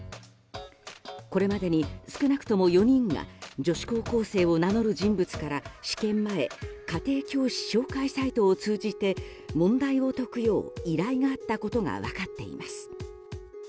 これまでに少なくとも４人が女子高校生を名乗る人物から試験前家庭教師紹介サイトを通じて問題を解くよう依頼があったことが分かっています。